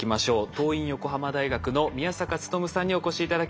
桐蔭横浜大学の宮坂力さんにお越し頂きました。